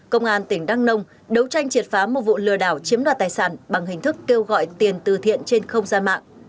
công an tỉnh đăng nông đấu tranh triệt phá một vụ lừa đảo chiếm đoạt tài sản bằng hình thức kêu gọi tiền từ thiện trên không gian mạng